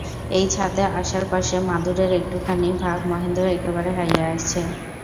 এই ছাদে আশার পাশে মাদুরের একটুখানি ভাগ মহেন্দ্র একেবারে হারাইয়াছে।